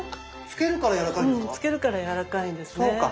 漬けるからやわらかいんですか？